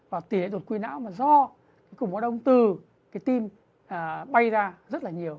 và tỉ lệ đột quy não do củng bó đông từ tim bay ra rất là nhiều